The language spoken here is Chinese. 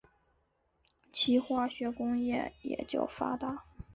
其化学工业也较发达。